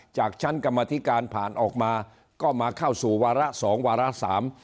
จากชั้นกรรมธิการผ่านออกมาก็มาเข้าสู่วาระสองวาระสาม